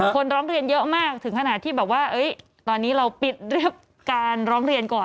คนร้องเรียนเยอะมากถึงขนาดที่แบบว่าตอนนี้เราปิดเรื่องการร้องเรียนก่อน